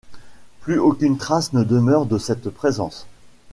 Plus aucune trace ne demeure de cette présence.